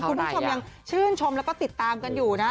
คุณผู้ชมยังชื่นชมแล้วก็ติดตามกันอยู่นะ